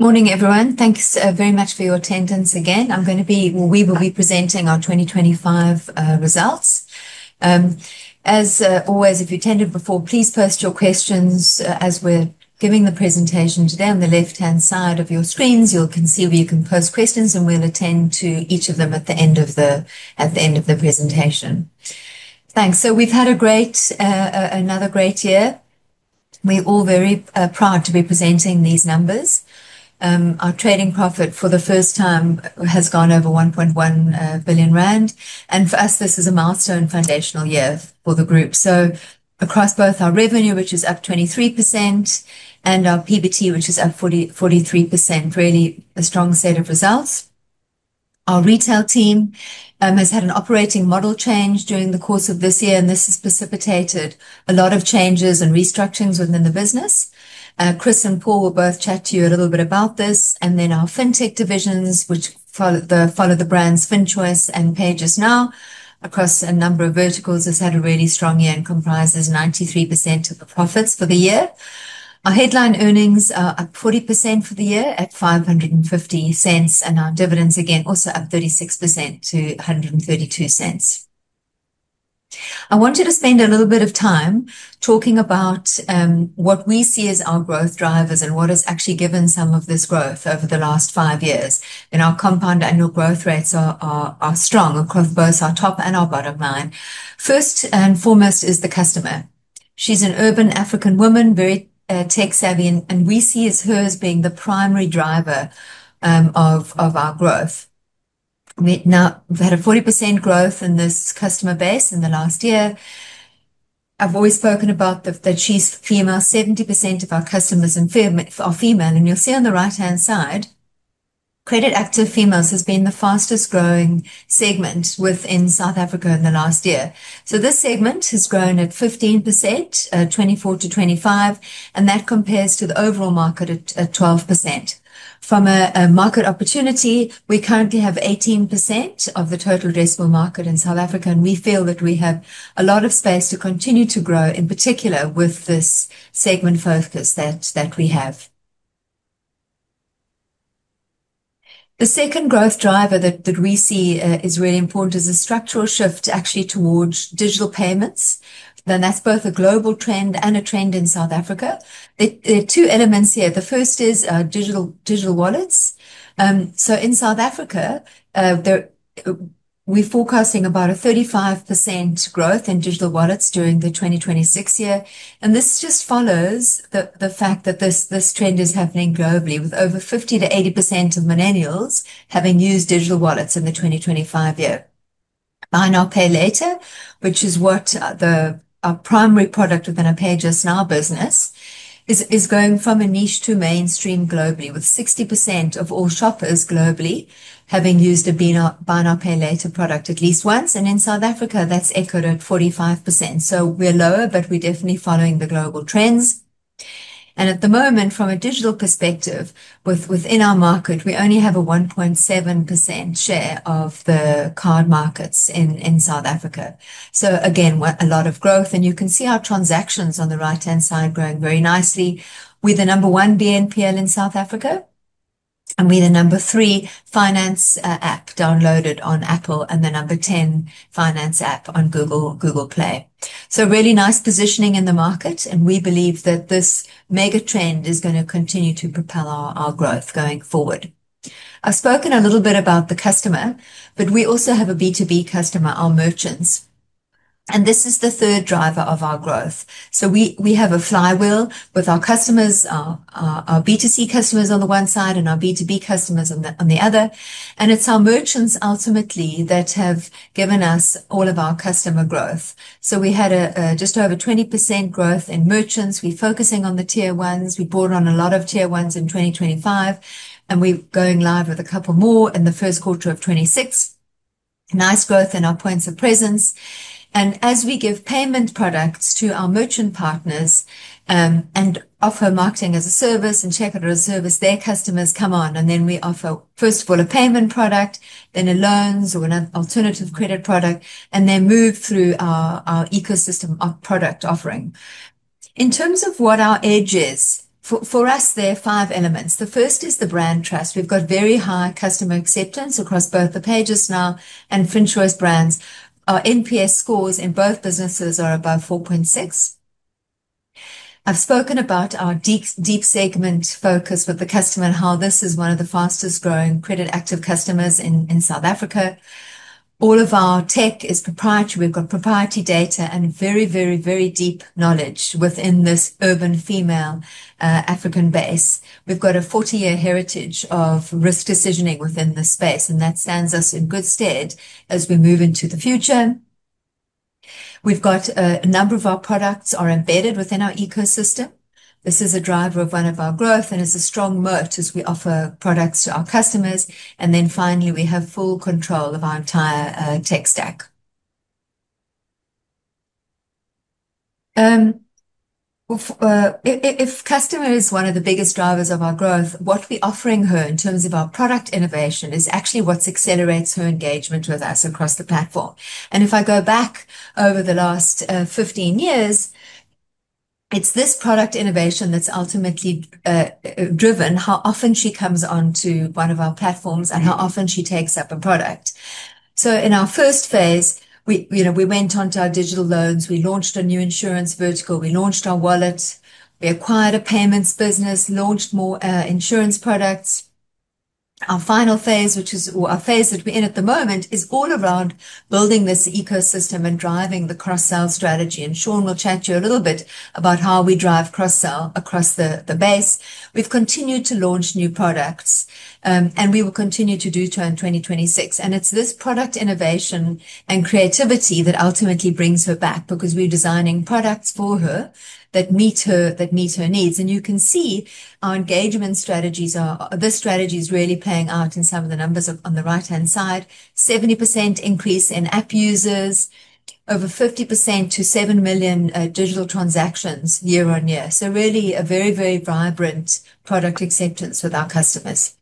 Morning, everyone. Thanks, very much for your attendance again. We will be presenting our 2025 results. As always, if you've attended before, please post your questions as we're giving the presentation today. On the left-hand side of your screens, you can see where you can post questions, and we'll attend to each of them at the end of the presentation. Thanks. We've had another great year. We're all very proud to be presenting these numbers. Our trading profit for the first time has gone over 1.1 billion rand, and for us this is a milestone foundational year for the group. Across both our revenue, which is up 23%, and our PBT, which is up 43%. Really a strong set of results. Our retail team has had an operating model change during the course of this year, and this has precipitated a lot of changes and restructurings within the business. Chris and Paul will both chat to you a little bit about this. Our fintech divisions, which follow the brands FinChoice and PayJustNow across a number of verticals, has had a really strong year and comprises 93% of the profits for the year. Our headline earnings are up 40% for the year at 5.50, and our dividends again also up 36% to 1.32. I wanted to spend a little bit of time talking about what we see as our growth drivers and what has actually given some of this growth over the last five years. Our compound annual growth rates are strong across both our top and our bottom line. First and foremost is the customer. She's an urban African woman, very tech-savvy, and we see her as being the primary driver of our growth. We've had a 40% growth in this customer base in the last year. I've always spoken about that she's female. 70% of our customers are female, and you'll see on the right-hand side, credit active females has been the fastest growing segment within South Africa in the last year. This segment has grown at 15%, 2024-2025, and that compares to the overall market at 12%. From a market opportunity, we currently have 18% of the total addressable market in South Africa, and we feel that we have a lot of space to continue to grow, in particular with this segment focus that we have. The second growth driver that we see is really important is the structural shift actually towards digital payments. That's both a global trend and a trend in South Africa. There are two elements here. The first is digital wallets. So in South Africa, we're forecasting about a 35% growth in digital wallets during the 2026 year, and this just follows the fact that this trend is happening globally with over 50%-80% of millennials having used digital wallets in the 2025 year. Buy now, pay later, which is what our primary product within our PayJustNow business is going from a niche to mainstream globally, with 60% of all shoppers globally having used a buy now, pay later product at least once. In South Africa, that's echoed at 45%. We're lower, but we're definitely following the global trends. At the moment, from a digital perspective, within our market, we only have a 1.7% share of the card markets in South Africa. Again, a lot of growth, and you can see our transactions on the right-hand side growing very nicely. We're the number one BNPL in South Africa, and we're the number three finance app downloaded on Apple, and the number 10 finance app on Google Play. Really nice positioning in the market, and we believe that this mega trend is gonna continue to propel our growth going forward. I've spoken a little bit about the customer, but we also have a B2B customer, our merchants, and this is the third driver of our growth. We have a flywheel with our customers, our B2C customers on the one side and our B2B customers on the other. It's our merchants ultimately that have given us all of our customer growth. We had just over 20% growth in merchants. We're focusing on the tier ones. We brought on a lot of tier ones in 2025, and we're going live with a couple more in the first quarter of 2026. Nice growth in our points of presence. As we give payment products to our merchant partners, and offer marketing as a service and checkout as a service, their customers come on, and then we offer, first of all, a payment product, then a loans or an alternative credit product, and they move through our ecosystem of product offering. In terms of what our edge is, for us, there are five elements. The first is the brand trust. We've got very high customer acceptance across both the PayJustNow and FinChoice brands. Our NPS scores in both businesses are above 4.6. I've spoken about our deep segment focus with the customer and how this is one of the fastest growing credit active customers in South Africa. All of our tech is proprietary. We've got proprietary data and very deep knowledge within this urban female African base. We've got a 40-year heritage of risk decisioning within this space, and that stands us in good stead as we move into the future. We've got a number of our products are embedded within our ecosystem. This is a driver of one of our growth and is a strong moat as we offer products to our customers. Finally, we have full control of our entire tech stack. If customer is one of the biggest drivers of our growth, what we're offering her in terms of our product innovation is actually what accelerates her engagement with us across the platform. If I go back over the last 15 years, it's this product innovation that's ultimately driven how often she comes onto one of our platforms and how often she takes up a product. In our first phase, you know, we went onto our digital loans, we launched a new insurance vertical, we launched our wallet, we acquired a payments business, launched more insurance products. Our phase that we're in at the moment is all around building this ecosystem and driving the cross-sell strategy, and Sean will chat to you a little bit about how we drive cross-sell across the base. We've continued to launch new products, and we will continue to do so in 2026. It's this product innovation and creativity that ultimately brings her back because we're designing products for her that meet her needs. You can see this strategy is really playing out in some of the numbers on the right-hand side. 70% increase in app users. Over 50% to 7 million digital transactions year-on-year. Really a very, very vibrant product acceptance with our customers.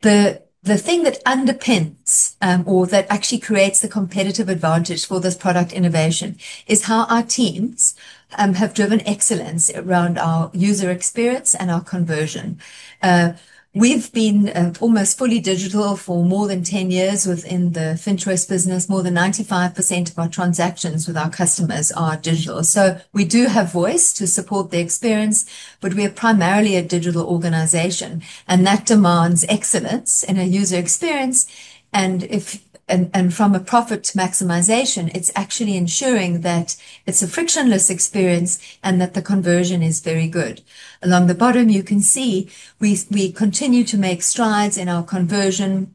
The thing that underpins or that actually creates the competitive advantage for this product innovation is how our teams have driven excellence around our user experience and our conversion. We've been almost fully digital for more than 10 years within the Fintech business. More than 95% of our transactions with our customers are digital. We do have voice to support the experience, but we are primarily a digital organization, and that demands excellence in a user experience. From a profit maximization, it's actually ensuring that it's a frictionless experience and that the conversion is very good. Along the bottom, you can see we continue to make strides in our conversion.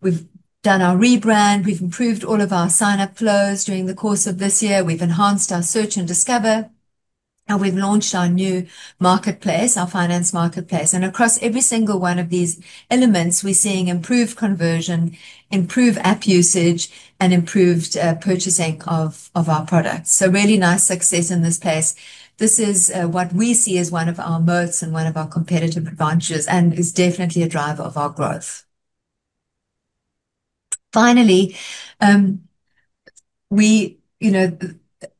We've done our rebrand, we've improved all of our sign-up flows during the course of this year. We've enhanced our search and discover, and we've launched our new marketplace, our finance marketplace. Across every single one of these elements, we're seeing improved conversion, improved app usage, and improved purchasing of our products. Really nice success in this space. This is what we see as one of our moats and one of our competitive advantages, and is definitely a driver of our growth. Finally,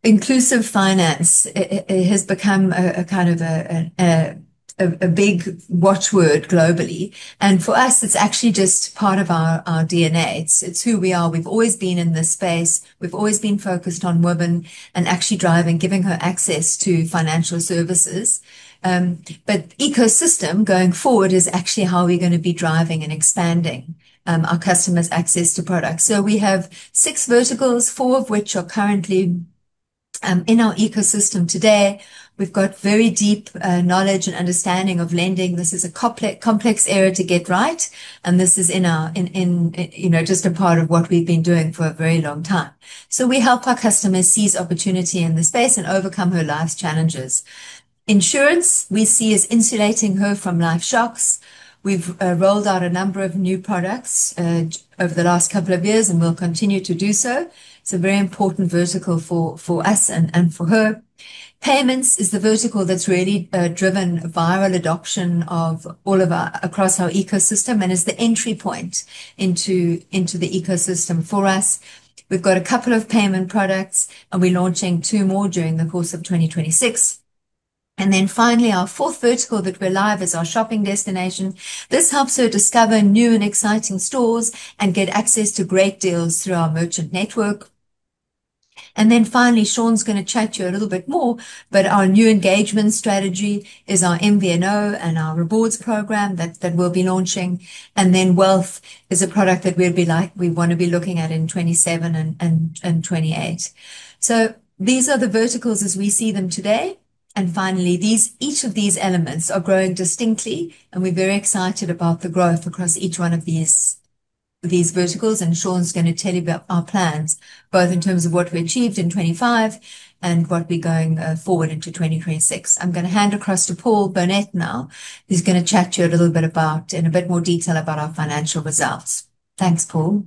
inclusive finance has become a kind of big watchword globally, and for us it's actually just part of our DNA. It's who we are. We've always been in this space. We've always been focused on women and actually driving, giving her access to financial services. Ecosystem going forward is actually how we're gonna be driving and expanding our customers' access to products. We have six verticals, four of which are currently in our ecosystem today. We've got very deep knowledge and understanding of lending. This is a complex area to get right, and this is, you know, just a part of what we've been doing for a very long time. We help our customers seize opportunity in this space and overcome her life's challenges. Insurance, we see as insulating her from life shocks. We've rolled out a number of new products over the last couple of years, and we'll continue to do so. It's a very important vertical for us and for her. Payments is the vertical that's really driven viral adoption of all of our—across our ecosystem, and is the entry point into the ecosystem for us. We've got a couple of payment products, and we're launching two more during the course of 2026. Then finally, our fourth vertical that we're live is our shopping destination. This helps her discover new and exciting stores and get access to great deals through our merchant network. Then finally, Sean’s gonna chat to you a little bit more, but our new engagement strategy is our MVNO and our rewards program that we'll be launching. Then Wealth is a product that we'll be like we wanna be looking at in 2027 and 2028. These are the verticals as we see them today. Each of these elements are growing distinctly, and we're very excited about the growth across each one of these verticals, and Sean's gonna tell you about our plans, both in terms of what we achieved in 2025 and what'll be going forward into 2026. I'm gonna hand across to Paul Burnett now, who's gonna chat to you a little bit about in a bit more detail about our financial results. Thanks, Paul.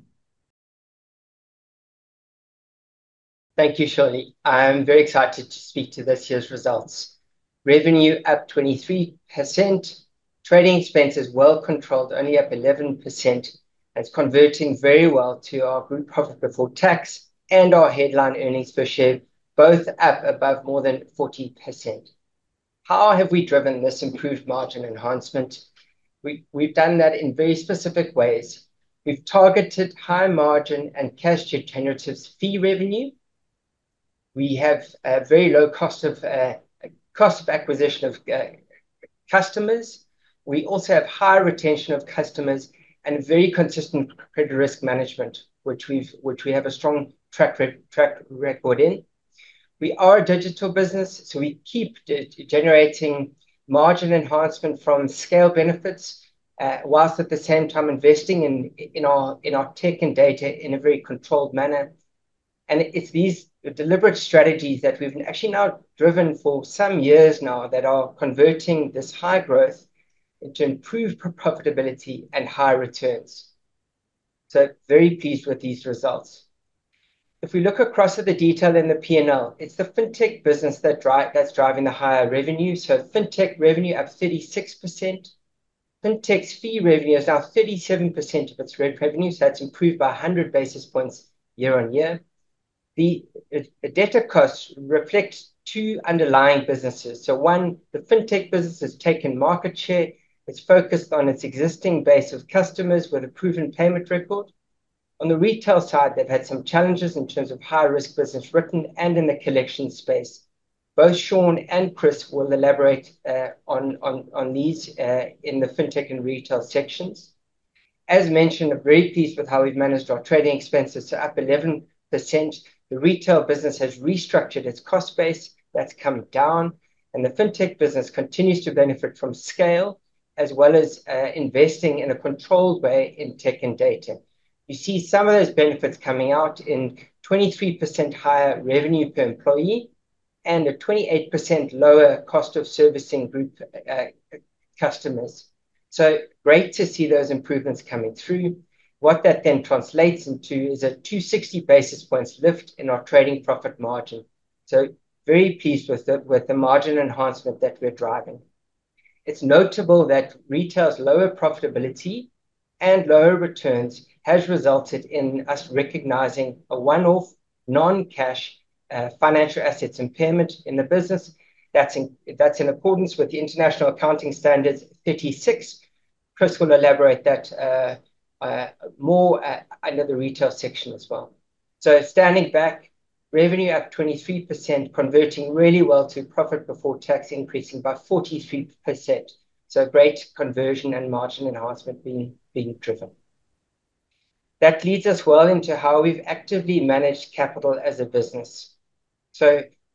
Thank you, Shirley. I am very excited to speak to this year's results. Revenue up 23%. Trading expenses well controlled, only up 11%. That's converting very well to our group profit before tax and our headline earnings per share, both up above more than 40%. How have we driven this improved margin enhancement? We've done that in very specific ways. We've targeted high margin and cash generative fee revenue. We have a very low cost of acquisition of customers. We also have high retention of customers and very consistent credit risk management, which we have a strong track record in. We are a digital business, so we keep generating margin enhancement from scale benefits whilst at the same time investing in our tech and data in a very controlled manner. It's these deliberate strategies that we've actually now driven for some years now that are converting this high growth into improved profitability and high returns. Very pleased with these results. If we look across at the detail in the P&L, it's the Fintech business that's driving the higher revenue. Fintech revenue up 36%. Fintech's fee revenue is now 37% of its group revenue, so that's improved by 100 basis points year on year. The debtor costs reflect two underlying businesses. One, the Fintech business has taken market share. It's focused on its existing base of customers with a proven payment record. On the retail side, they've had some challenges in terms of high-risk business written and in the collection space. Both Sean and Chris will elaborate on these in the Fintech and retail sections. As mentioned, a great piece with how we've managed our trading expenses to up 11%. The retail business has restructured its cost base. That's come down, and the Fintech business continues to benefit from scale as well as investing in a controlled way in tech and data. You see some of those benefits coming out in 23% higher revenue per employee and a 28% lower cost of servicing group customers. Great to see those improvements coming through. What that then translates into is a 260 basis points lift in our trading profit margin. Very pleased with the margin enhancement that we're driving. It's notable that retail's lower profitability and lower returns has resulted in us recognizing a one-off non-cash financial assets impairment in the business that's in accordance with the International Accounting Standard 36. Chris will elaborate that under the retail section as well. Standing back, revenue up 23%, converting really well to profit before tax increasing by 43%. Great conversion and margin enhancement being driven. That leads us well into how we've actively managed capital as a business.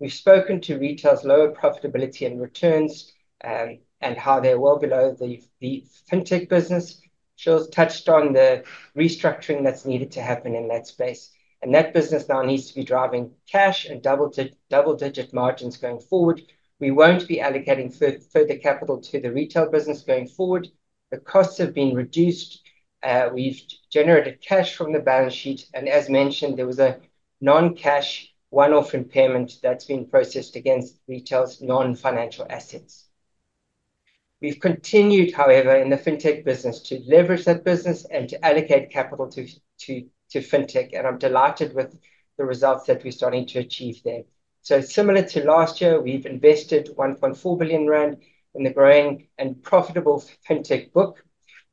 We've spoken to retail's lower profitability and returns, and how they're well below the Fintech business. Sean's touched on the restructuring that's needed to happen in that space, and that business now needs to be driving cash and double-digit margins going forward. We won't be allocating further capital to the retail business going forward. The costs have been reduced. We've generated cash from the balance sheet, and as mentioned, there was a non-cash one-off impairment that's been processed against retail's non-financial assets. We've continued, however, in the Fintech business to leverage that business and to allocate capital to Fintech, and I'm delighted with the results that we're starting to achieve there. Similar to last year, we've invested 1.4 billion rand in the growing and profitable Fintech book.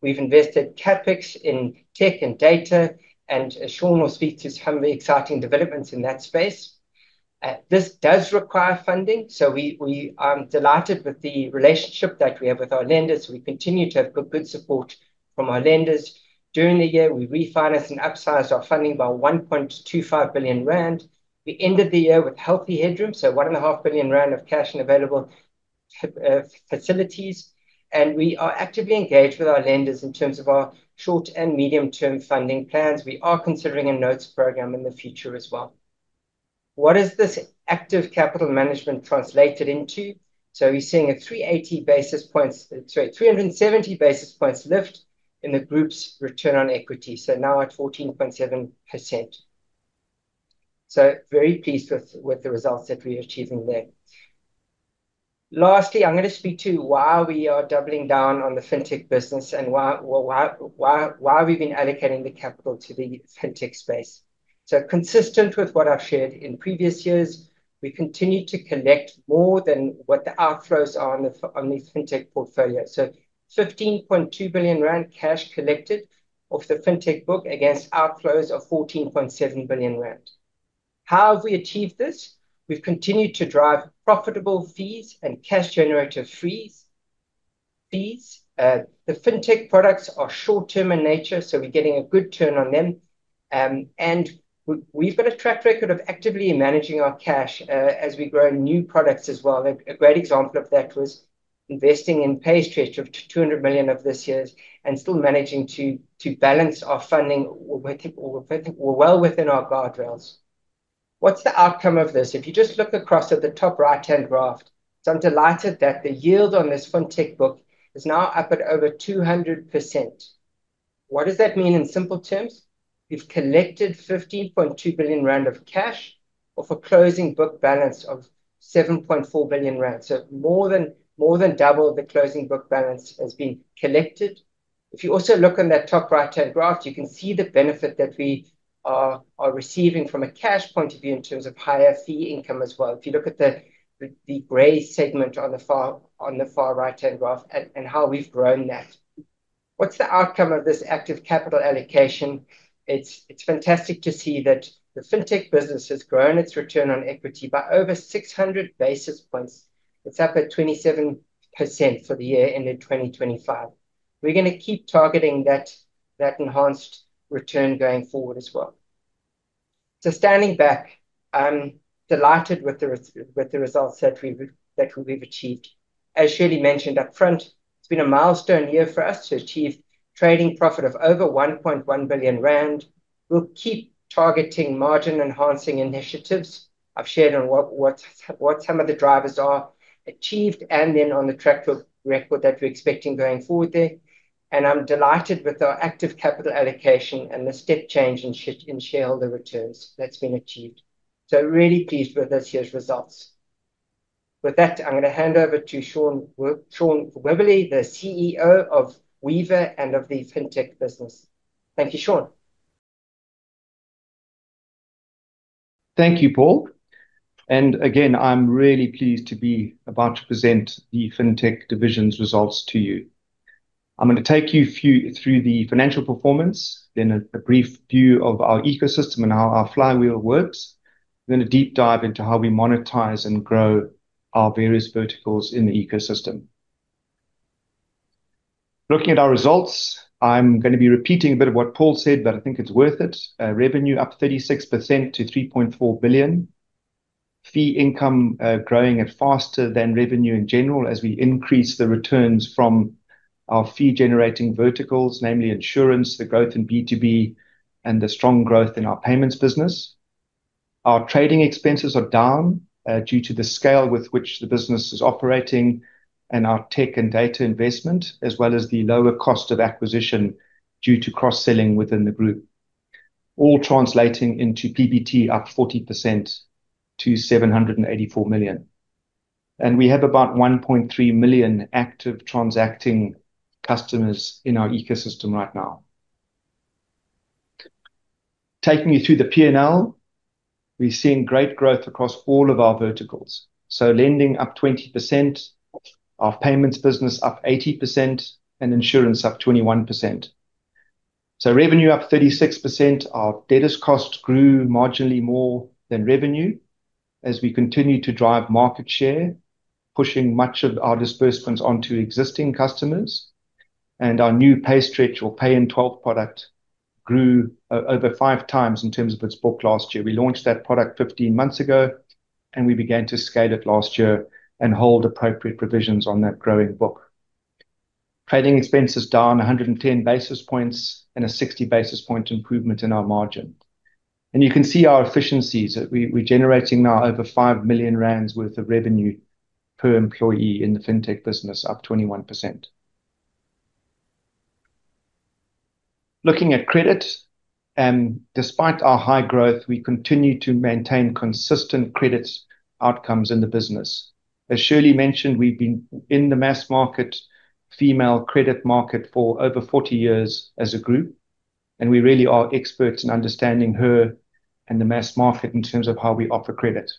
We've invested CapEx in tech and data, and Sean will speak to some of the exciting developments in that space. This does require funding, so we are delighted with the relationship that we have with our lenders. We continue to have good support from our lenders. During the year, we refinanced and upsized our funding by 1.25 billion rand. We ended the year with healthy headroom, 1.5 billion rand of cash and available facilities, and we are actively engaged with our lenders in terms of our short and medium-term funding plans. We are considering a notes program in the future as well. What is this active capital management translated into? We're seeing a 370 basis points lift in the group's return on equity, now at 14.7%. Very pleased with the results that we're achieving there. Lastly, I'm gonna speak to why we are doubling down on the Fintech business and why, well, we've been allocating the capital to the Fintech space. Consistent with what I've shared in previous years, we continue to collect more than what the outflows are on the Fintech portfolio. 15.2 billion rand cash collected off the Fintech book against outflows of 14.7 billion rand. How have we achieved this? We've continued to drive profitable fees and cash generative fees. The Fintech products are short term in nature, so we're getting a good return on them. We've got a track record of actively managing our cash as we grow new products as well. A great example of that was investing in PayStretch of 200 million of this year's and still managing to balance our funding well within our guardrails. What's the outcome of this? If you just look across at the top right-hand graph. I'm delighted that the yield on this Fintech book is now up at over 200%. What does that mean in simple terms? We've collected 15.2 billion rand of cash off a closing book balance of 7.4 billion rand. More than double the closing book balance has been collected. If you also look on that top right-hand graph, you can see the benefit that we are receiving from a cash point of view in terms of higher fee income as well. If you look at the gray segment on the far right-hand graph and how we've grown that. What's the outcome of this active capital allocation? It's fantastic to see that the Fintech business has grown its return on equity by over 600 basis points. It's up at 27% for the year ended 2025. We're gonna keep targeting that enhanced return going forward as well. Standing back, I'm delighted with the results that we've achieved. As Shirley mentioned up front, it's been a milestone year for us to achieve trading profit of over 1.1 billion rand. We'll keep targeting margin enhancing initiatives. I've shared on what some of the drivers are achieved and then on the track record that we're expecting going forward there. I'm delighted with our active capital allocation and the step change in shareholder returns that's been achieved. Really pleased with this year's results. With that, I'm gonna hand over to Sean Wibberley, the CEO of Weaver and of the Fintech business. Thank you, Sean. Thank you, Paul. Again, I'm really pleased to be about to present the Fintech division's results to you. I'm gonna take you through the financial performance, then a brief view of our ecosystem and how our flywheel works, then a deep dive into how we monetize and grow our various verticals in the ecosystem. Looking at our results, I'm gonna be repeating a bit of what Paul said, but I think it's worth it. Revenue up 36% to 3.4 billion. Fee income growing at faster than revenue in general as we increase the returns from our fee-generating verticals, namely insurance, the growth in B2B, and the strong growth in our payments business. Our trading expenses are down, due to the scale with which the business is operating and our tech and data investment, as well as the lower cost of acquisition due to cross-selling within the group. All translating into PBT up 40% to 784 million. We have about 1.3 million active transacting customers in our ecosystem right now. Taking you through the P&L. We've seen great growth across all of our verticals. Lending up 20%, our payments business up 80%, and insurance up 21%. Revenue up 36%. Our debtors costs grew marginally more than revenue as we continue to drive market share, pushing much of our disbursements onto existing customers. Our new PayStretch or Pay in Twelve product grew over 5x in terms of its book last year. We launched that product 15 months ago, and we began to scale it last year and hold appropriate provisions on that growing book. Trading expenses down 110 basis points and a 60 basis point improvement in our margin. You can see our efficiencies. We're generating now over 5 million rand worth of revenue per employee in the Fintech business, up 21%. Looking at credit, despite our high growth, we continue to maintain consistent credit outcomes in the business. As Shirley mentioned, we've been in the mass market female credit market for over 40 years as a group, and we really are experts in understanding her and the mass market in terms of how we offer credit.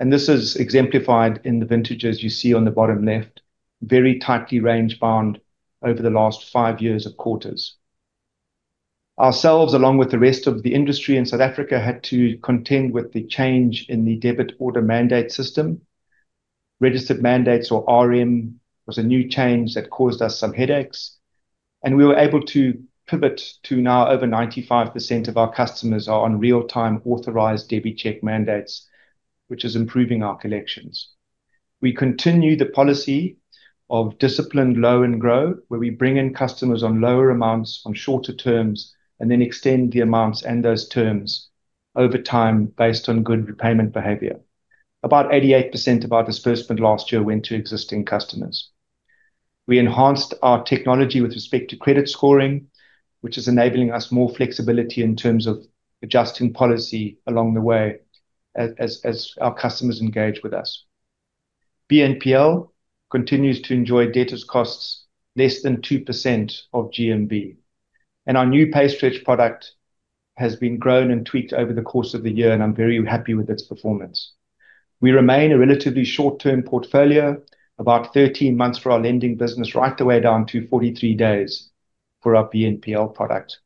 This is exemplified in the vintages you see on the bottom left, very tightly range bound over the last five years of quarters. Ourselves, along with the rest of the industry in South Africa, had to contend with the change in the debit order mandate system. Registered mandates or RM was a new change that caused us some headaches, and we were able to pivot to now over 95% of our customers are on real-time authorized debit check mandates, which is improving our collections. We continue the policy of disciplined low and grow, where we bring in customers on lower amounts on shorter terms, and then extend the amounts and those terms over time based on good repayment behavior. About 88% of our disbursement last year went to existing customers. We enhanced our technology with respect to credit scoring, which is enabling us more flexibility in terms of adjusting policy along the way, as our customers engage with us. BNPL continues to enjoy debtors' costs less than 2% of GMV. Our new PayStretch product has been grown and tweaked over the course of the year, and I'm very happy with its performance. We remain a relatively short-term portfolio, about 13 months for our lending business, right the way down to 43 days for our BNPL product.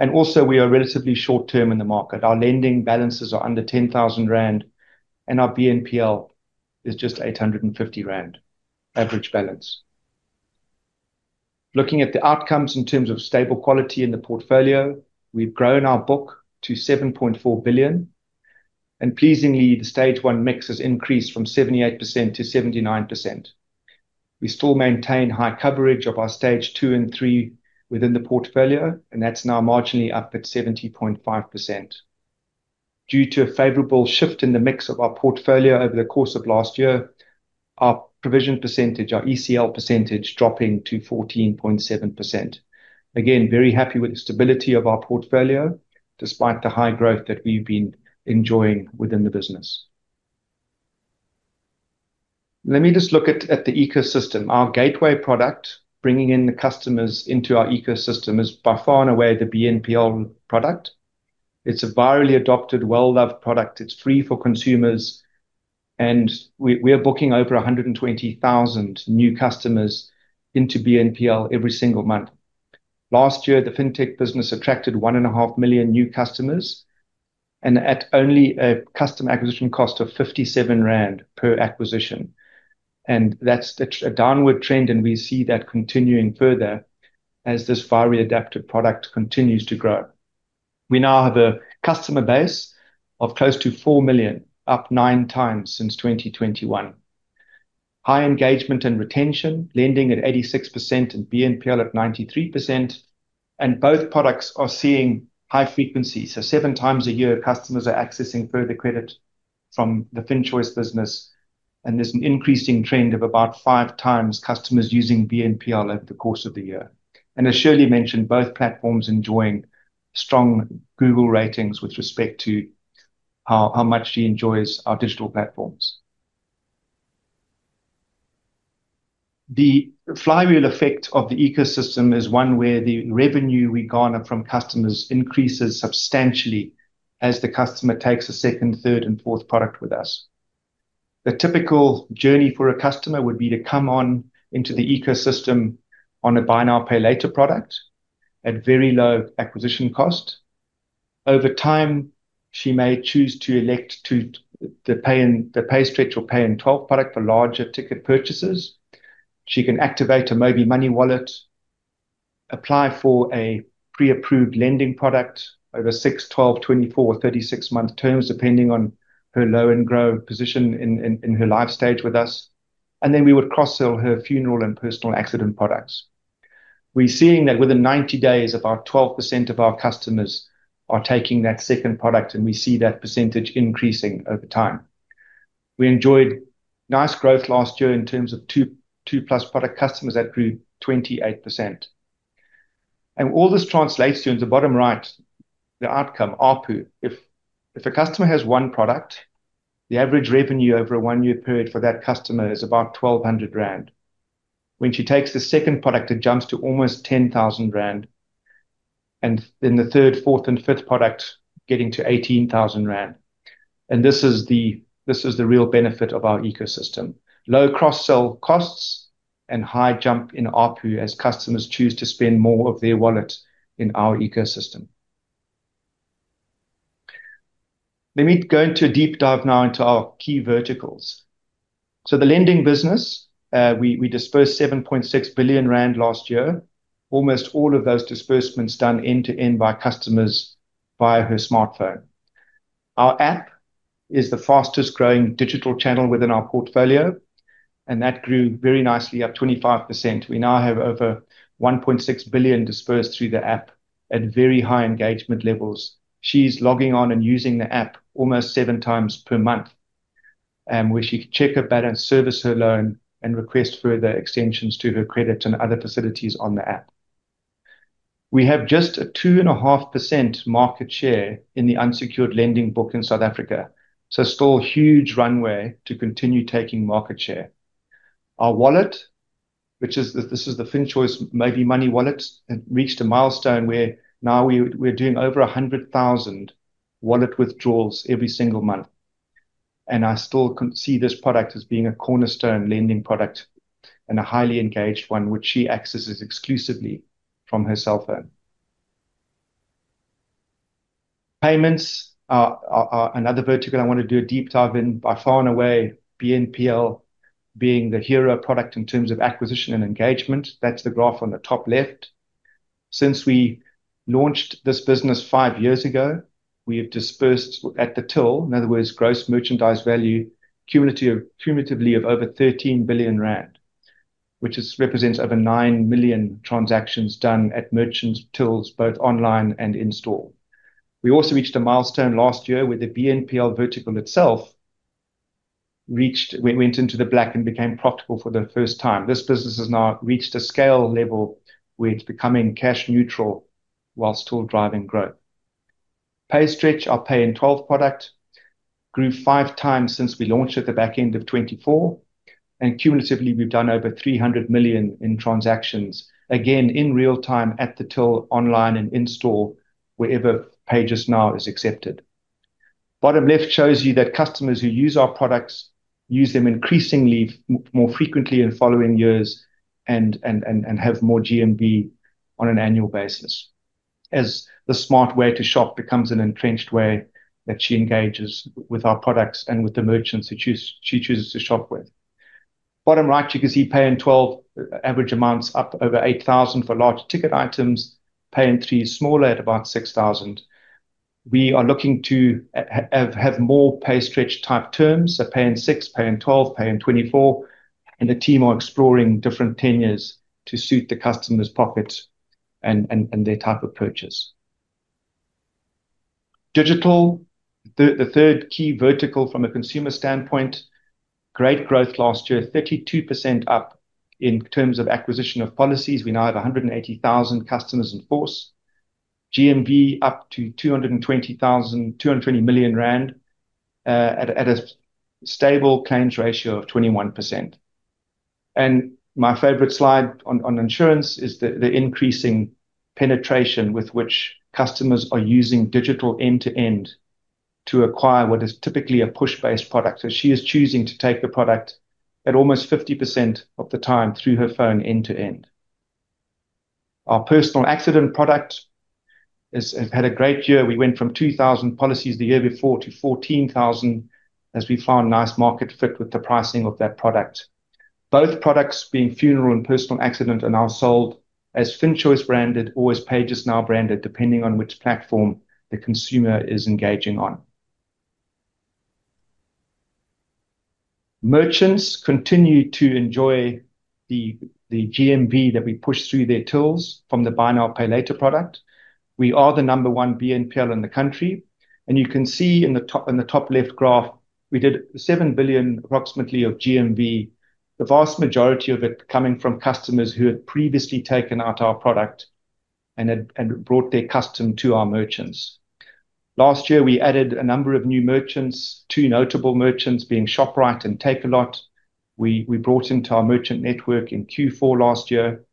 Also, we are relatively short-term in the market. Our lending balances are under 10,000 rand, and our BNPL is just 850 rand average balance. Looking at the outcomes in terms of stable quality in the portfolio, we've grown our book to 7.4 billion. Pleasingly, the stage 1 mix has increased from 78%-79%. We still maintain high coverage of our stage 2 and 3 within the portfolio, and that's now marginally up at 70.5%. Due to a favorable shift in the mix of our portfolio over the course of last year, our provision percentage, our ECL percentage, dropping to 14.7%. Again, very happy with the stability of our portfolio despite the high growth that we've been enjoying within the business. Let me just look at the ecosystem. Our gateway product, bringing in the customers into our ecosystem, is by far and away the BNPL product. It's a virally adopted, well-loved product. It's free for consumers, and we are booking over 120,000 new customers into BNPL every single month. Last year, the Fintech business attracted 1.5 million new customers and at only a customer acquisition cost of 57 rand per acquisition, and that's a downward trend, and we see that continuing further as this virally adapted product continues to grow. We now have a customer base of close to 4 million, up 9 times since 2021. High engagement and retention, lending at 86% and BNPL at 93%. Both products are seeing high frequency. Seven times a year, customers are accessing further credit from the FinChoice business, and there's an increasing trend of about 5 times customers using BNPL over the course of the year. As Shirley mentioned, both platforms enjoying strong Google ratings with respect to how much she enjoys our digital platforms. The flywheel effect of the ecosystem is one where the revenue we garner from customers increases substantially as the customer takes a second, third, and fourth product with us. The typical journey for a customer would be to come on into the ecosystem on a buy now, pay later product at very low acquisition cost. Over time, she may choose to elect to the PayStretch or Pay in Twelve product for larger ticket purchases. She can activate a MobiMoney wallet, apply for a pre-approved lending product over 6, 12, 24 or 36 month terms, depending on her loan and grow position in her life stage with us, and then we would cross-sell her funeral and personal accident products. We're seeing that within 90 days, about 12% of our customers are taking that second product, and we see that percentage increasing over time. We enjoyed nice growth last year in terms of 2+ product customers that grew 28%. All this translates to in the bottom right, the outcome, ARPU. If a customer has one product, the average revenue over a one-year period for that customer is about 1,200 rand. When she takes the second product, it jumps to almost 10,000 rand. Then the third, fourth, and fifth product getting to 18,000 rand. This is the real benefit of our ecosystem. Low cross-sell costs and high jump in ARPU as customers choose to spend more of their wallet in our ecosystem. Let me go into a deep dive now into our key verticals. The lending business, we dispersed 7.6 billion rand last year. Almost all of those disbursements done end-to-end by customers via her smartphone. Our app is the fastest-growing digital channel within our portfolio, and that grew very nicely, up 25%. We now have over 1.6 billion dispersed through the app at very high engagement levels. She's logging on and using the app almost seven times per month, where she could check her balance, service her loan, and request further extensions to her credit and other facilities on the app. We have just a 2.5% market share in the unsecured lending book in South Africa, so still huge runway to continue taking market share. Our wallet, which is this, is the FinChoice MobiMoney wallet. It reached a milestone where now we're doing over 100,000 wallet withdrawals every single month. I still see this product as being a cornerstone lending product and a highly engaged one which she accesses exclusively from her cell phone. Payments are another vertical I wanna do a deep dive in. By far and away, BNPL being the hero product in terms of acquisition and engagement. That's the graph on the top left. Since we launched this business five years ago, we have disbursed at the till, in other words, gross merchandise value, cumulatively of over 13 billion rand, which represents over 9 million transactions done at merchant tills, both online and in-store. We also reached a milestone last year where the BNPL vertical itself reached. We went into the black and became profitable for the first time. This business has now reached a scale level where it's becoming cash neutral while still driving growth. PayStretch, our Pay in Twelve product, grew five times since we launched at the back end of 2024, and cumulatively, we've done over 300 million in transactions, again, in real time at the till online and in-store wherever PayJustNow is accepted. Bottom left shows you that customers who use our products use them increasingly more frequently in following years and have more GMV on an annual basis, as the smart way to shop becomes an entrenched way that she engages with our products and with the merchants that she chooses to shop with. Bottom right, you can see Pay in Twelve average amounts up over 8,000 for larger ticket items. Pay in Three is smaller at about 6,000. We are looking to have more PayStretch type terms, so Pay in 6, Pay in 12, Pay in 24, and the team are exploring different tenures to suit the customer's pockets and their type of purchase. Digital, the third key vertical from a consumer standpoint, great growth last year, 32% up in terms of acquisition of policies. We now have 180,000 customers in force. GMV up to 220 million rand at a stable claims ratio of 21%. My favorite slide on insurance is the increasing penetration with which customers are using digital end-to-end to acquire what is typically a push-based product. She is choosing to take the product at almost 50% of the time through her phone end-to-end. Our personal accident product has had a great year. We went from 2,000 policies the year before to 14,000 as we found nice market fit with the pricing of that product. Both products being funeral and personal accident are now sold as FinChoice branded or as PayJustNow branded, depending on which platform the consumer is engaging on. Merchants continue to enjoy the GMV that we push through their tools from the buy now, pay later product. We are the number one BNPL in the country, and you can see in the top left graph. We did approximately 7 billion of GMV, the vast majority of it coming from customers who had previously taken out our product and brought their custom to our merchants. Last year, we added a number of new merchants, two notable merchants being Shoprite and Takealot. We brought into our merchant network in Q4 last year.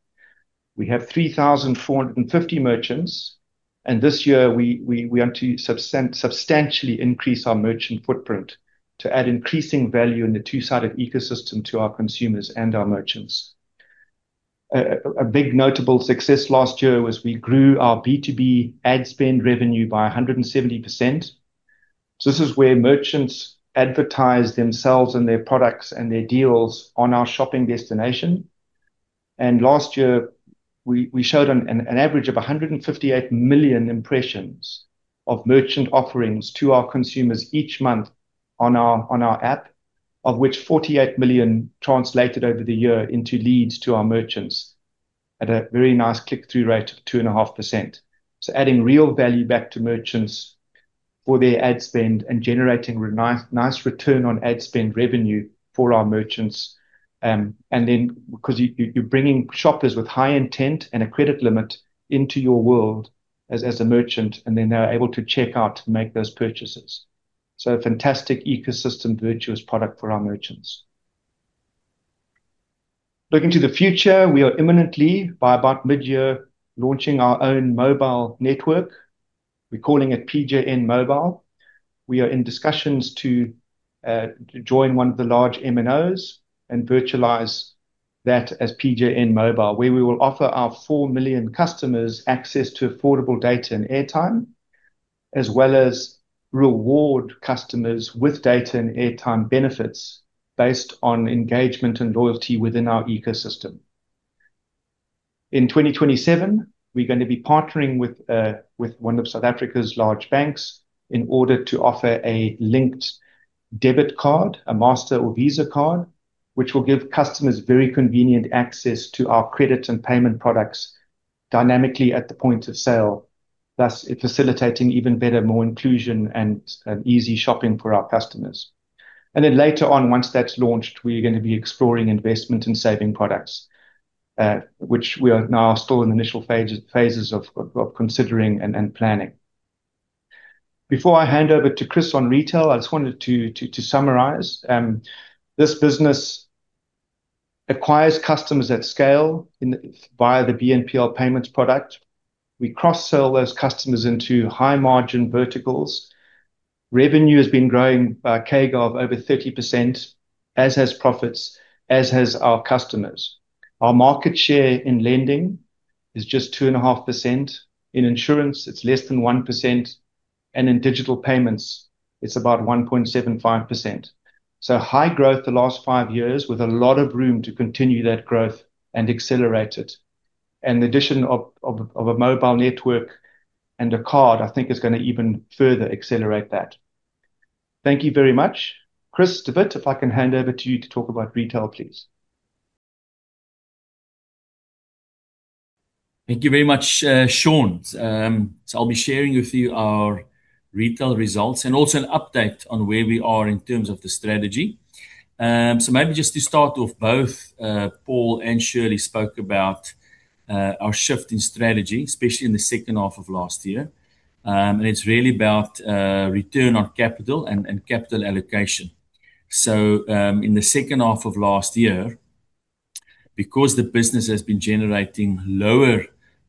We have 3,450 merchants. This year we want to substantially increase our merchant footprint to add increasing value in the two-sided ecosystem to our consumers and our merchants. A big notable success last year was we grew our B2B ad spend revenue by 170%. This is where merchants advertise themselves and their products and their deals on our shopping destination. Last year, we showed an average of 158 million impressions of merchant offerings to our consumers each month on our app, of which 48 million translated over the year into leads to our merchants at a very nice click-through rate of 2.5%. Adding real value back to merchants for their ad spend and generating a nice return on ad spend revenue for our merchants. 'Cause you're bringing shoppers with high intent and a credit limit into your world as a merchant, and then they're able to check out to make those purchases. A fantastic ecosystem virtuous product for our merchants. Looking to the future, we are imminently, by about mid-year, launching our own mobile network. We're calling it PJN Mobile. We are in discussions to join one of the large MNOs and virtualize that as PJN Mobile, where we will offer our 4 million customers access to affordable data and airtime, as well as reward customers with data and airtime benefits based on engagement and loyalty within our ecosystem. In 2027, we're gonna be partnering with one of South Africa's large banks in order to offer a linked debit card, a Mastercard or Visa card, which will give customers very convenient access to our credit and payment products dynamically at the point of sale, thus facilitating even better, more inclusion and easy shopping for our customers. Later on, once that's launched, we're gonna be exploring investment and saving products, which we are now still in initial phases of considering and planning. Before I hand over to Chris on retail, I just wanted to summarize. This business acquires customers at scale via the BNPL payments product. We cross-sell those customers into high-margin verticals. Revenue has been growing by CAGR of over 30%, as has profits, as has our customers. Our market share in lending is just 2.5%. In insurance, it's less than 1%, and in digital payments, it's about 1.75%. High growth the last five years with a lot of room to continue that growth and accelerate it. The addition of a mobile network and a card, I think is gonna even further accelerate that. Thank you very much. Chris de Wit, if I can hand over to you to talk about retail, please. Thank you very much, Sean. I'll be sharing with you our retail results and also an update on where we are in terms of the strategy. Maybe just to start off, both Paul and Shirley spoke about our shift in strategy, especially in the second half of last year. It's really about return on capital and capital allocation. In the second half of last year, because the business has been generating lower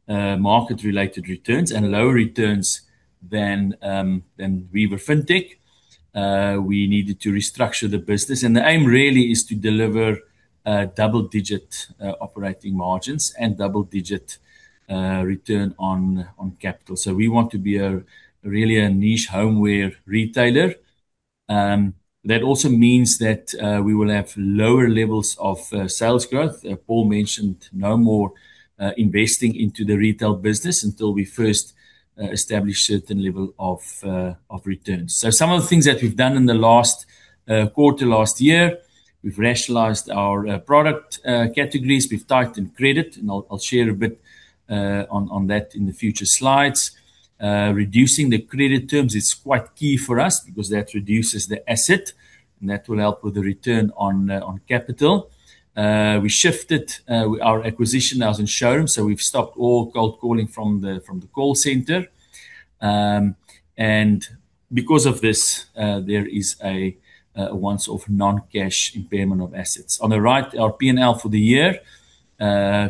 market-related returns and lower returns than Weaver Fintech, we needed to restructure the business. The aim really is to deliver double-digit operating margins and double-digit return on capital. We want to be a niche homeware retailer. That also means that we will have lower levels of sales growth. Paul mentioned no more investing into the retail business until we first establish certain level of returns. Some of the things that we've done in the last quarter, last year, we've rationalized our product categories. We've tightened credit, and I'll share a bit on that in the future slides. Reducing the credit terms is quite key for us because that reduces the asset, and that will help with the return on capital. We shifted our acquisition now is in Showroom, so we've stopped all cold calling from the call center. Because of this, there is a one-off non-cash impairment of assets. On the right, our P&L for the year.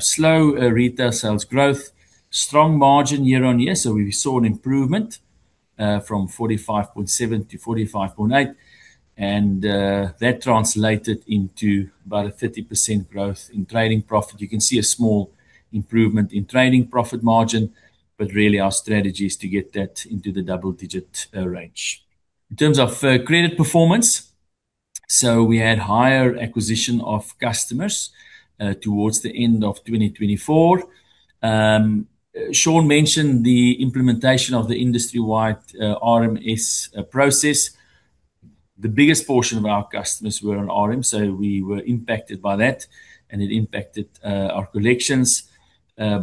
Slow retail sales growth. Strong margin year on year, so we saw an improvement from 45.7% to 45.8%. That translated into about a 30% growth in trading profit. You can see a small improvement in trading profit margin, but really our strategy is to get that into the double-digit range. In terms of credit performance. We had higher acquisition of customers towards the end of 2024. Sean mentioned the implementation of the industry-wide RMS process. The biggest portion of our customers were on RM, so we were impacted by that, and it impacted our collections.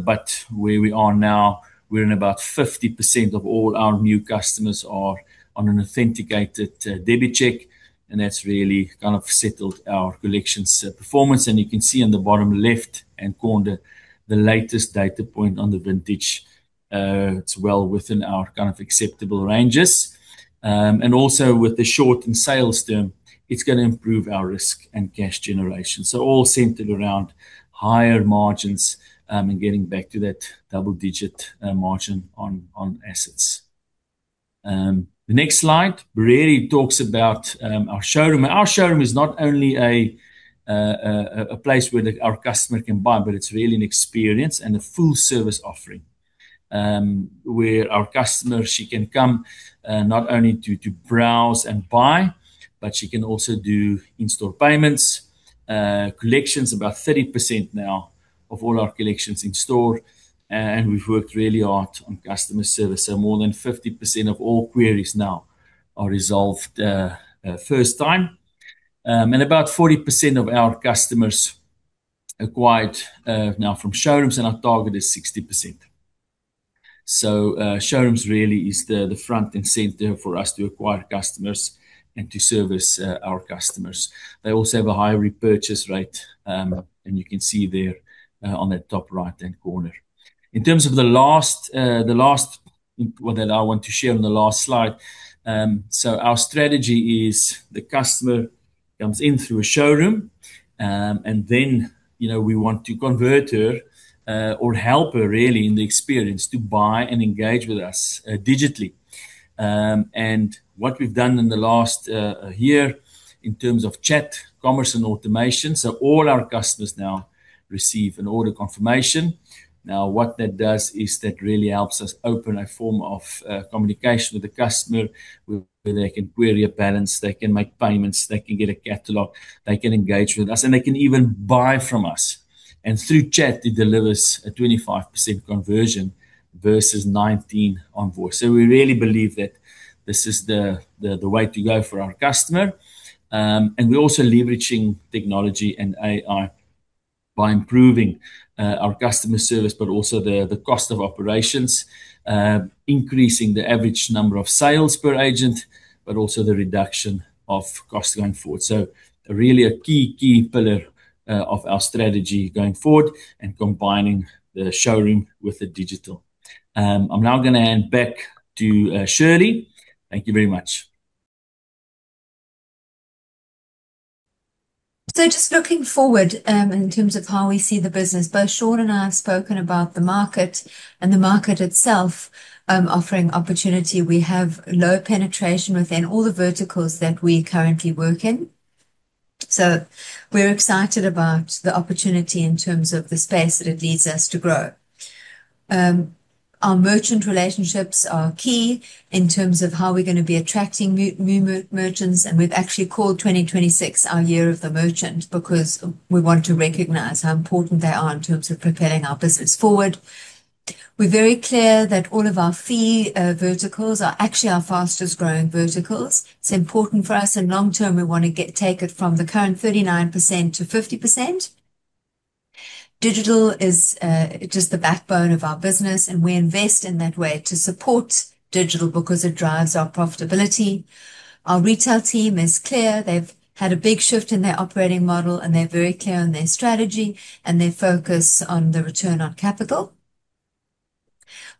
But where we are now, we're in about 50% of all our new customers are on an authenticated debit check, and that's really kind of settled our collections performance. You can see on the bottom left-hand corner the latest data point on the vintage, it's well within our kind of acceptable ranges. Also with the shortened sales term, it's gonna improve our risk and cash generation. All centered around higher margins, and getting back to that double-digit margin on assets. The next slide really talks about our showroom. Our showroom is not only a place where our customer can buy, but it's really an experience and a full service offering, where our customer she can come not only to browse and buy, but she can also do in-store payments. Collections about 30% now of all our collections in store. We've worked really hard on customer service, so more than 50% of all queries now are resolved first time. About 40% of our customers acquired now from showrooms and our target is 60%. Showrooms really is the front and center for us to acquire customers and to service our customers. They also have a high repurchase rate, and you can see there on that top right-hand corner. In terms of the last, the last that I want to share on the last slide, our strategy is the customer comes in through a showroom, and then, you know, we want to convert her or help her really in the experience to buy and engage with us, digitally. What we've done in the last year in terms of chat commerce and automation, all our customers now receive an order confirmation. Now what that does is that really helps us open a form of communication with the customer where they can query a balance, they can make payments, they can get a catalog, they can engage with us, and they can even buy from us. Through chat it delivers a 25% conversion versus 19% on voice. We really believe that this is the way to go for our customer. We're also leveraging technology and AI by improving our customer service, but also the cost of operations, increasing the average number of sales per agent, but also the reduction of costs going forward. Really a key pillar of our strategy going forward and combining the showroom with the digital. I'm now gonna hand back to Shirley. Thank you very much. Just looking forward, in terms of how we see the business, both Sean and I have spoken about the market and the market itself, offering opportunity. We have low penetration within all the verticals that we currently work in, so we're excited about the opportunity in terms of the space that it leads us to grow. Our merchant relationships are key in terms of how we're gonna be attracting new merchants, and we've actually called 2026 our year of the merchant, because we want to recognize how important they are in terms of propelling our business forward. We're very clear that all of our fee verticals are actually our fastest-growing verticals. It's important for us, and long-term, we wanna take it from the current 39% to 50%. Digital is just the backbone of our business, and we invest in that way to support digital because it drives our profitability. Our retail team is clear. They've had a big shift in their operating model, and they're very clear on their strategy and their focus on the return on capital.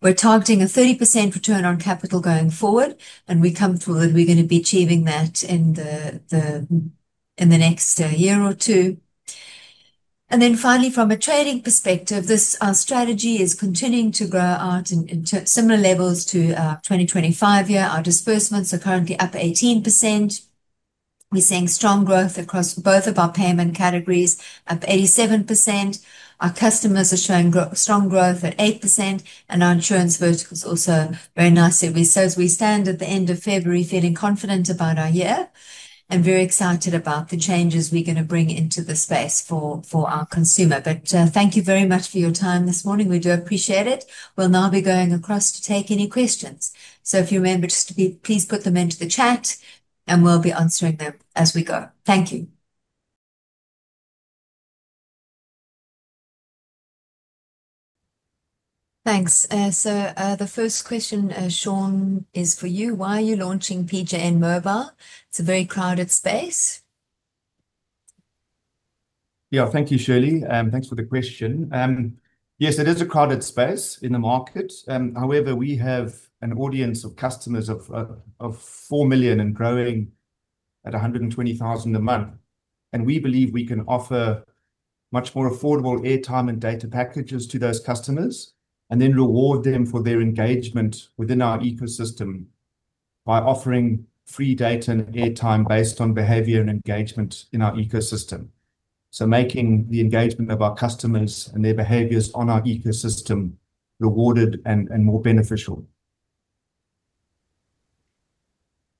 We're targeting a 30% return on capital going forward, and we're confident we're gonna be achieving that in the next year or two. Finally, from a trading perspective, our strategy is continuing to grow at similar levels to our 2025 year. Our disbursements are currently up 18%. We're seeing strong growth across both of our payment categories, up 87%. Our customers are showing strong growth at 8%, and our insurance vertical is also very nicely. As we stand at the end of February feeling confident about our year and very excited about the changes we're gonna bring into the space for our consumer. Thank you very much for your time this morning. We do appreciate it. We'll now be going across to take any questions. If you remember, please put them into the chat and we'll be answering them as we go. Thank you. Thanks. The first question, Sean, is for you. Why are you launching PJN Mobile? It's a very crowded space. Yeah. Thank you, Shirley, and thanks for the question. Yes, it is a crowded space in the market. However, we have an audience of customers of 4 million and growing at 120,000 a month, and we believe we can offer much more affordable airtime and data packages to those customers and then reward them for their engagement within our ecosystem by offering free data and airtime based on behavior and engagement in our ecosystem. Making the engagement of our customers and their behaviors on our ecosystem rewarded and more beneficial.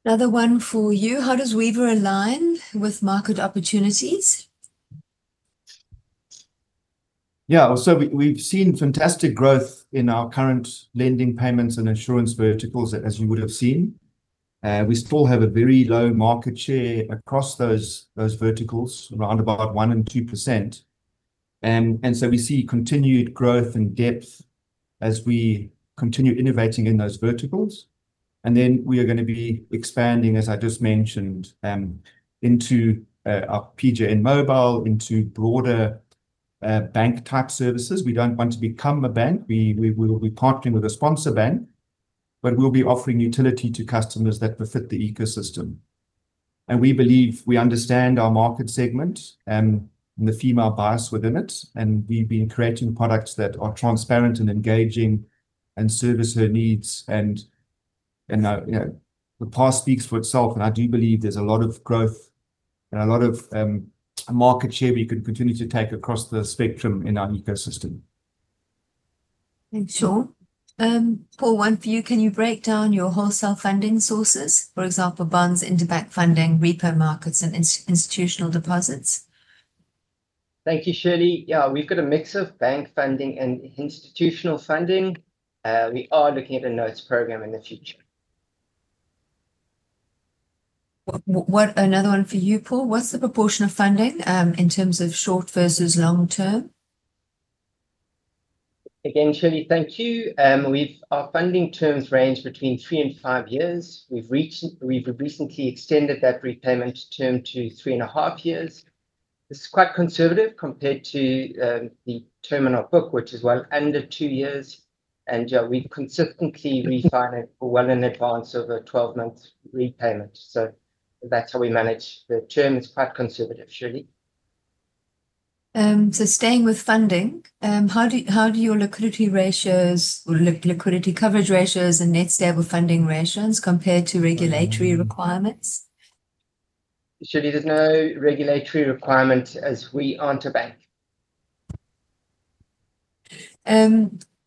Another one for you. How does Weaver align with market opportunities? Yeah. We've seen fantastic growth in our current lending, payments, and insurance verticals, as you would have seen. We still have a very low market share across those verticals, around about 1%-2%. We see continued growth and depth as we continue innovating in those verticals. We are gonna be expanding, as I just mentioned, into our PJN Mobile, into broader bank-type services. We don't want to become a bank. We will be partnering with a sponsor bank, but we will be offering utility to customers that befit the ecosystem. We believe we understand our market segment and the female bias within it, and we have been creating products that are transparent and engaging and service her needs and, you know, the past speaks for itself, and I do believe there is a lot of growth and a lot of market share we can continue to take across the spectrum in our ecosystem. Thanks, Sean. Paul, one for you. Can you break down your wholesale funding sources, for example, bonds, interbank funding, repo markets, and institutional deposits? Thank you, Shirley. Yeah, we've got a mix of bank funding and institutional funding. We are looking at a notes program in the future. Another one for you, Paul. What's the proportion of funding in terms of short versus long term? Again, Shirley, thank you. Our funding terms range between three and five years. We've recently extended that repayment term to three and a half years. This is quite conservative compared to the term in our book, which is well under two years. Yeah, we consistently refine it well in advance of a 12-month repayment. That's how we manage. The term is quite conservative, Shirley. Staying with funding, how do your liquidity ratios or liquidity coverage ratios and net stable funding ratios compare to regulatory requirements? Shirley, there's no regulatory requirement, as we aren't a bank.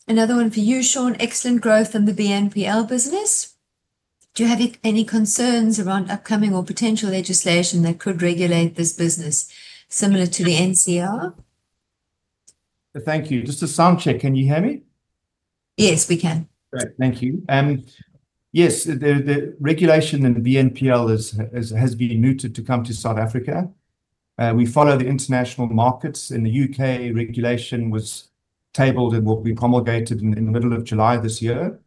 Another one for you, Sean. Excellent growth in the BNPL business. Do you have any concerns around upcoming or potential legislation that could regulate this business, similar to the NCR? Thank you. Just a sound check. Can you hear me? Yes, we can. Great. Thank you. Yes. The regulation in the BNPL is, has been mooted to come to South Africa. We follow the international markets. In the UK regulation was tabled and will be promulgated in the middle of July this year,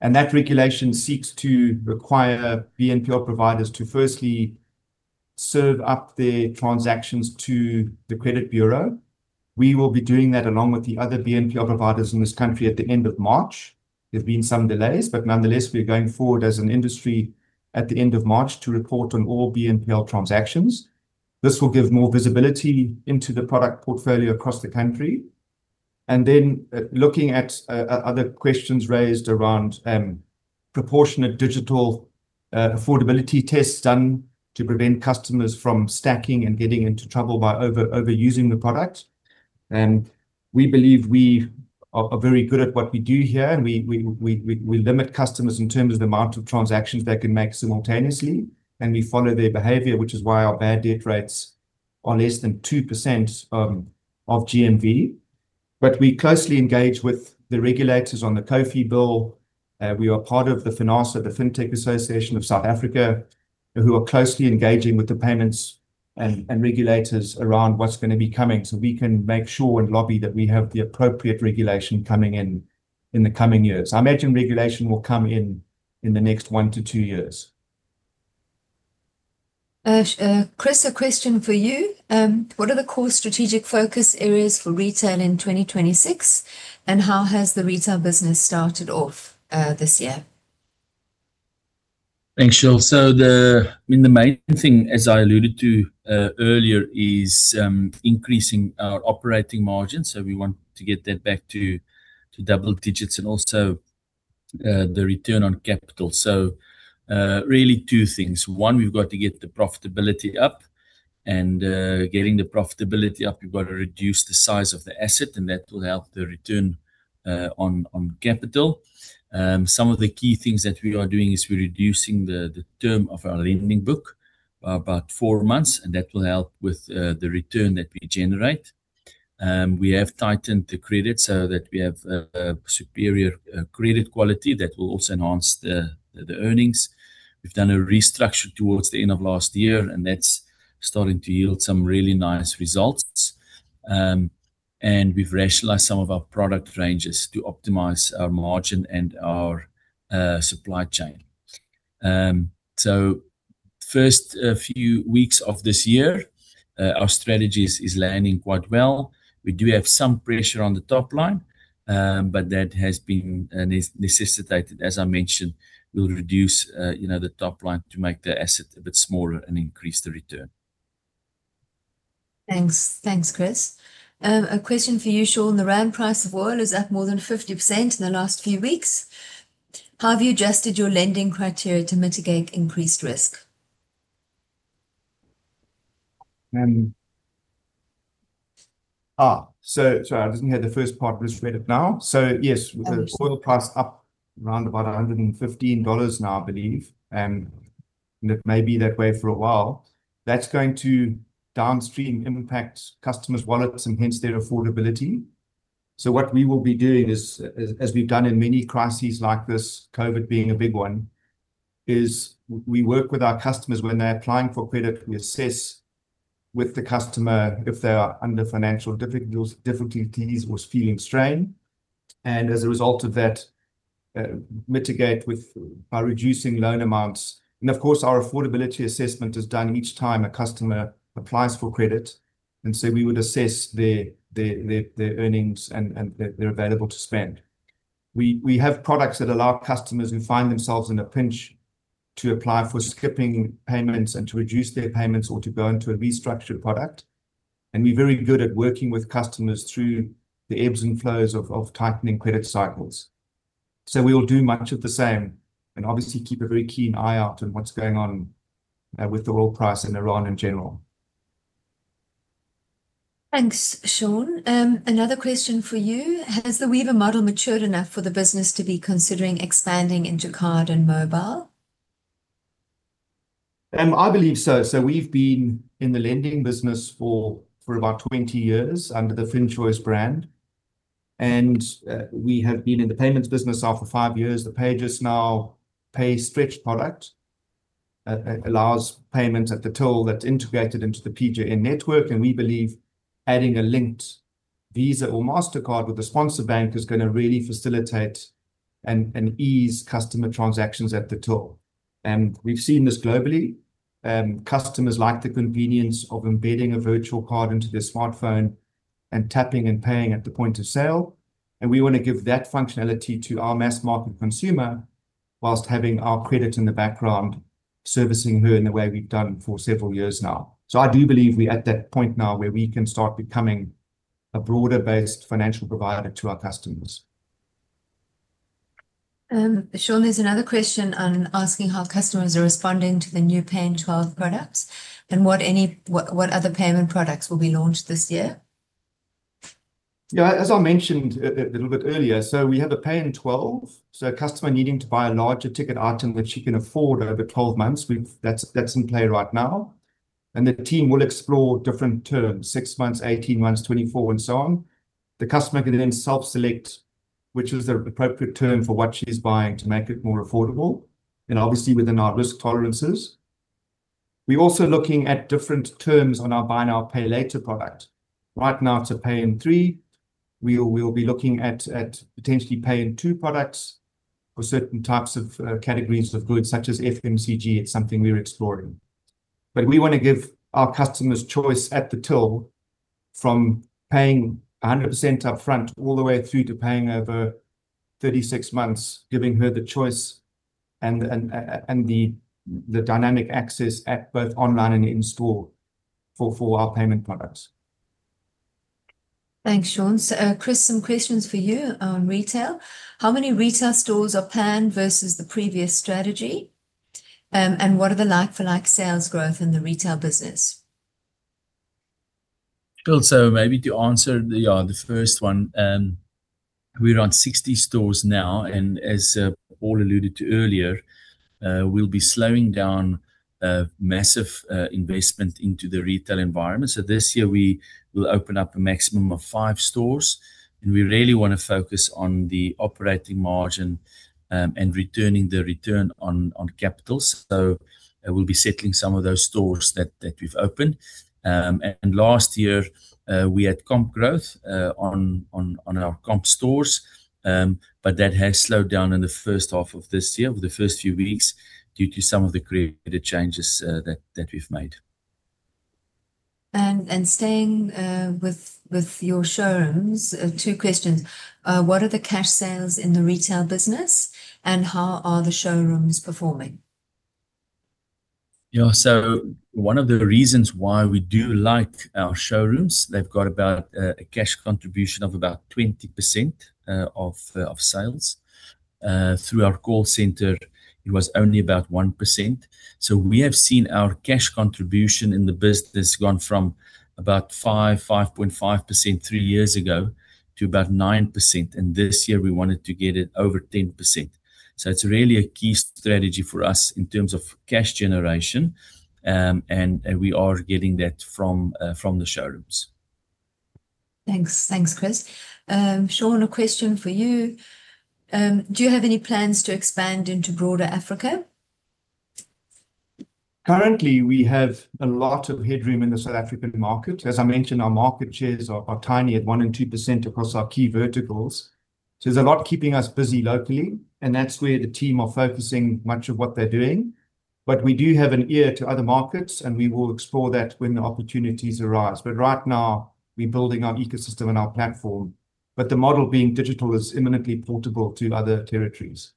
and that regulation seeks to require BNPL providers to firstly serve up their transactions to the credit bureau. We will be doing that along with the other BNPL providers in this country at the end of March. There've been some delays, but nonetheless, we're going forward as an industry at the end of March to report on all BNPL transactions. This will give more visibility into the product portfolio across the country. Looking at other questions raised around proportionate digital affordability tests done to prevent customers from stacking and getting into trouble by overusing the product. We believe we are very good at what we do here, and we limit customers in terms of the amount of transactions they can make simultaneously, and we follow their behavior, which is why our bad debt rates are less than 2% of GMV. We closely engage with the regulators on the COFI Bill. We are part of the FINASA, the Fintech Association of South Africa, who are closely engaging with the payments and regulators around what's gonna be coming, so we can make sure and lobby that we have the appropriate regulation coming in the coming years. I imagine regulation will come in the next one to two years. Chris, a question for you. What are the core strategic focus areas for retail in 2026, and how has the retail business started off this year? Thanks, Shirley. I mean, the main thing, as I alluded to earlier, is increasing our operating margin. We want to get that back to double digits and also the return on capital. Really two things. One, we've got to get the profitability up and getting the profitability up, we've got to reduce the size of the asset, and that will help the return on capital. Some of the key things that we are doing is we're reducing the term of our lending book by about four months, and that will help with the return that we generate. We have tightened the credit so that we have superior credit quality that will also enhance the earnings. We've done a restructure towards the end of last year, and that's starting to yield some really nice results. We've rationalized some of our product ranges to optimize our margin and our supply chain. First few weeks of this year, our strategy is landing quite well. We do have some pressure on the top line, but that has been necessitated. As I mentioned, we'll reduce, you know, the top line to make the asset a bit smaller and increase the return. Thanks. Thanks, Chris. A question for you, Sean. The rand price of oil is up more than 50% in the last few weeks. How have you adjusted your lending criteria to mitigate increased risk? I didn't hear the first part but just read it now. Yes. Okay With the oil price up around $115 now, I believe. It may be that way for a while. That's going to downstream impact customers' wallets and hence their affordability. What we will be doing is, as we've done in many crises like this, COVID being a big one, we work with our customers when they're applying for credit. We assess with the customer if they are under financial difficulties or is feeling strain. As a result of that, mitigate by reducing loan amounts. Of course, our affordability assessment is done each time a customer applies for credit. We would assess their earnings and their available to spend. We have products that allow customers who find themselves in a pinch to apply for skipping payments and to reduce their payments or to go into a restructured product. We're very good at working with customers through the ebbs and flows of tightening credit cycles. We will do much of the same and obviously keep a very keen eye out on what's going on with the oil price and Iran in general. Thanks, Sean. Another question for you. Has the Weaver model matured enough for the business to be considering expanding into card and mobile? I believe so. We've been in the lending business for about 20 years under the FinChoice brand. We have been in the payments business now for five years. The PayJustNow PayStretch product allows payment at the till that's integrated into the PJN network. We believe adding a linked Visa or Mastercard with the sponsor bank is gonna really facilitate and ease customer transactions at the till. We've seen this globally. Customers like the convenience of embedding a virtual card into their smartphone and tapping and paying at the point of sale. We wanna give that functionality to our mass market consumer whilst having our credit in the background servicing her in the way we've done for several years now. I do believe we're at that point now where we can start becoming a broader based financial provider to our customers. Sean, there's another question on asking how customers are responding to the new Pay in 12 products and what other payment products will be launched this year. Yeah, as I mentioned earlier, we have a Pay in 12. A customer needing to buy a larger ticket item that she can afford over 12 months, that's in play right now. The team will explore different terms, 6 months, 18 months, 24 and so on. The customer can then self-select which is the appropriate term for what she's buying to make it more affordable and obviously within our risk tolerances. We're also looking at different terms on our buy now, pay later product. Right now, it's a Pay in Three. We'll be looking at potentially Pay in Two products for certain types of categories of goods, such as FMCG. It's something we're exploring. We wanna give our customers choice at the till from paying 100% upfront all the way through to paying over 36 months, giving her the choice and the dynamic access at both online and in store for our payment products. Thanks, Sean. Chris, some questions for you on retail. How many retail stores are planned versus the previous strategy? What are the like for like sales growth in the retail business? Cool. Maybe to answer, the first one, we're on 60 stores now, and as Paul alluded to earlier, we'll be slowing down massive investment into the retail environment. This year we will open up a maximum of five stores, and we really wanna focus on the operating margin, and returning the return on capital. We'll be settling some of those stores that we've opened. Last year, we had comp growth on our comp stores. That has slowed down in the first half of this year, over the first few weeks due to some of the credit changes that we've made. Staying with your showrooms, two questions. What are the cash sales in the retail business? How are the showrooms performing? Yeah. One of the reasons why we do like our showrooms, they've got about a cash contribution of about 20% of sales. Through our call center, it was only about 1%. We have seen our cash contribution in the business gone from about 5.5% three years ago to about 9%. This year, we wanted to get it over 10%. It's really a key strategy for us in terms of cash generation. We are getting that from the showrooms. Thanks. Thanks, Chris. Sean, a question for you. Do you have any plans to expand into broader Africa? Currently, we have a lot of headroom in the South African market. As I mentioned, our market shares are tiny at 1% and 2% across our key verticals. There's a lot keeping us busy locally, and that's where the team are focusing much of what they're doing. We do have an ear to other markets, and we will explore that when the opportunities arise. Right now, we're building our ecosystem and our platform. The model being digital is imminently portable to other territories.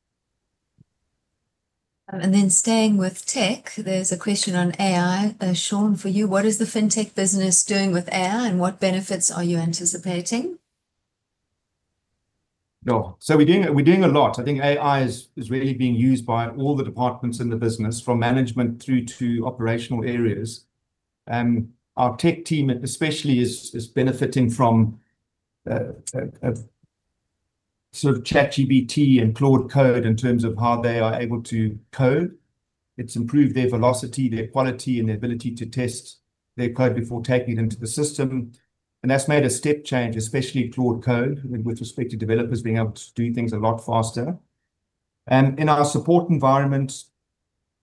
Staying with tech, there's a question on AI, Sean, for you. What is the fintech business doing with AI, and what benefits are you anticipating? Yeah. We're doing a lot. I think AI is really being used by all the departments in the business, from management through to operational areas. Our tech team especially is benefiting from sort of ChatGPT and Claude Code in terms of how they are able to code. It's improved their velocity, their quality, and their ability to test their code before taking it into the system. That's made a step change, especially Claude Code with respect to developers being able to do things a lot faster. In our support environment,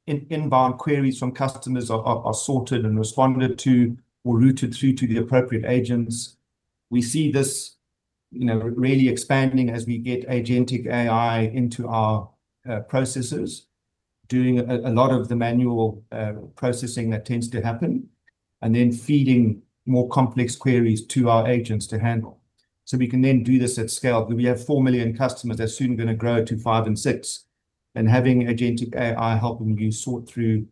inbound queries from customers are sorted and responded to or routed through to the appropriate agents. We see this, you know, really expanding as we get agentic AI into our processes, doing a lot of the manual processing that tends to happen and then feeding more complex queries to our agents to handle. We can then do this at scale. We have 4 million customers that are soon gonna grow to 5 and 6, and having agentic AI helping you sort through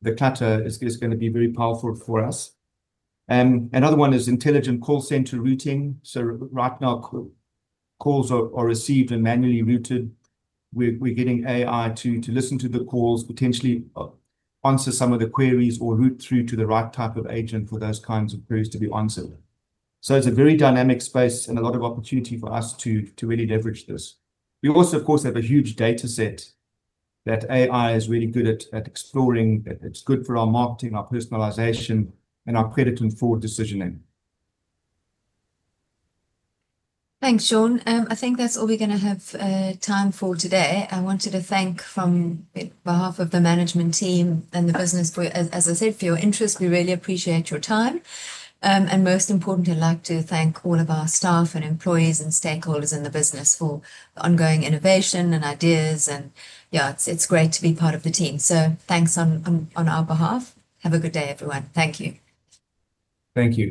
the clutter is gonna be very powerful for us. Another one is intelligent call center routing. Right now, calls are received and manually routed. We're getting AI to listen to the calls, potentially answer some of the queries or route through to the right type of agent for those kinds of queries to be answered. It's a very dynamic space and a lot of opportunity for us to really leverage this. We also of course have a huge data set that AI is really good at exploring. It's good for our marketing, our personalization, and our credit and fraud decisioning. Thanks, Sean. I think that's all we're gonna have time for today. I wanted to thank on behalf of the management team and the business for, as I said, for your interest. We really appreciate your time. Most importantly, I'd like to thank all of our staff and employees and stakeholders in the business for the ongoing innovation and ideas and, yeah, it's great to be part of the team. Thanks on our behalf. Have a good day, everyone. Thank you. Thank you.